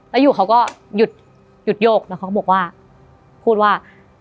แล้วอยู่เขาก็หยุดโยกแล้วเขาก็บอกว่าพูดว่า